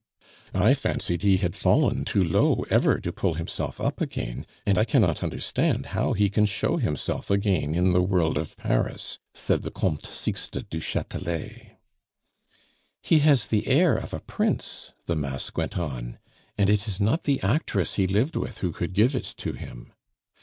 "I fancied he had fallen too low ever to pull himself up again, and I cannot understand how he can show himself again in the world of Paris," said the Comte Sixte du Chatelet. "He has the air of a prince," the mask went on, "and it is not the actress he lived with who could give it to him.